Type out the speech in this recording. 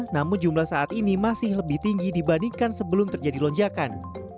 namun jumlah saat ini masih lebih tinggi dibandingkan sebelum terjadi lonjakan